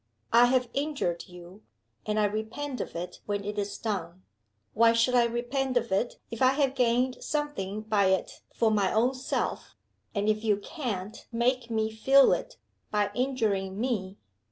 I have injured you, and I repent of it when it is done. Why should I repent of it if I have gained something by it for my own self and if you can't make me feel it by injuring Me?